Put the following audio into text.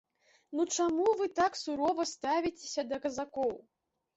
Ну чаму вы так сурова ставіцеся да казакоў?